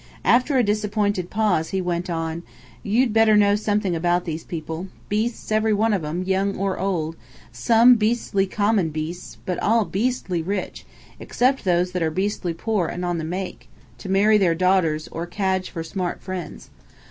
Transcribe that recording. After a disappointed pause he went on: "You'd better know something about these people. Beasts, every one of 'em, young or old, some beastly common beasts, but all beastly rich, except those that are beastly poor, and on the make to marry their daughters, or cadge for smart friends.